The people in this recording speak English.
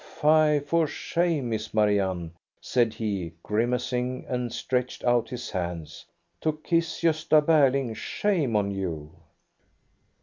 " Fie ! for shame. Miss Marianne," said he, grimac ing, and stretched out his hands. "To kiss Gosta Berling ; shame on you